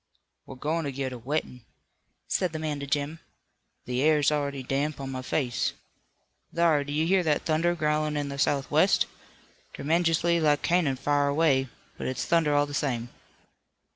"We're going to get a wettin'," said the man to Jim. "The air's already damp on my face. Thar, do you hear that thunder growlin' in the southwest? Tremenjously like cannon far away, but it's thunder all the same."